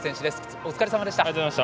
お疲れさまでした。